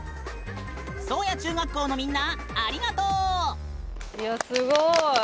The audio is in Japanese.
宗谷中学校のみんなありがとう！